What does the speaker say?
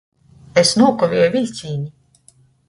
Es nūkavieju viļcīni!